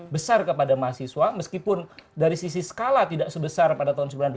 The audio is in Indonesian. besar kepada mahasiswa meskipun dari sisi skala tidak sebesar pada tahun sembilan puluh delapan